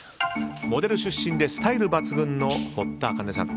モデル出身でスタイル抜群の堀田茜さん。